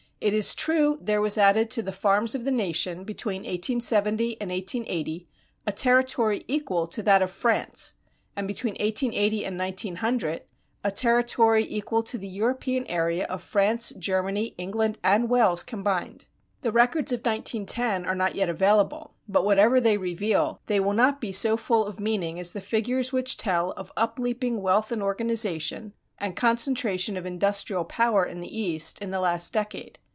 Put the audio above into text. It is true there was added to the farms of the nation between 1870 and 1880 a territory equal to that of France, and between 1880 and 1900 a territory equal to the European area of France, Germany, England, and Wales combined. The records of 1910 are not yet available, but whatever they reveal they will not be so full of meaning as the figures which tell of upleaping wealth and organization and concentration of industrial power in the East in the last decade.